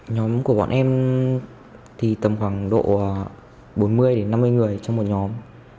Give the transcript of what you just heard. nhóm của bọn em thì tầm khoảng độ bốn mươi đến năm mươi người trong một nhóm